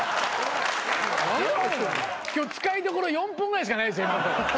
今日使いどころ４分ぐらいしかないですよ。